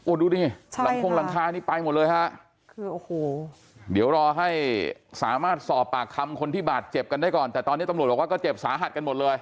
ดูดิหลังคงหลังคานี่ไปหมดเลยฮะคือโอ้โหเดี๋ยวรอให้สามารถสอบปากคำคนที่บาดเจ็บกันได้ก่อนแต่ตอนนี้ตำรวจบอกว่าก็เจ็บสาหัสกันหมดเลย